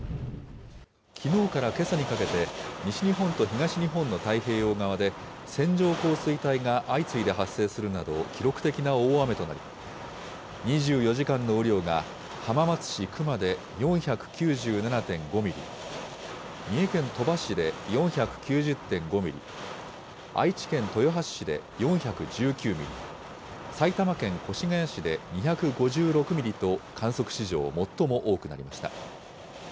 きのうからけさにかけて、西日本と東日本の太平洋側で線状降水帯が相次いで発生するなど、記録的な大雨となり、２４時間の雨量が、浜松市熊で４９７．５ミリ、三重県鳥羽市で４９０．５ミリ、愛知県豊橋市で４１９ミリ、埼玉県越谷市で２５６ミリと、観測史上最も多くなりました。